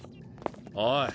おい！